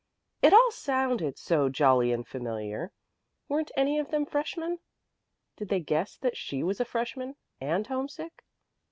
It all sounded so jolly and familiar. Weren't any of them freshmen? Did they guess that she was a freshman "and homesick"?